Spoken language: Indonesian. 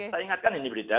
saya ingatkan ini brita